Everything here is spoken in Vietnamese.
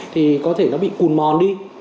thì có thể nó bị cùn mòn đi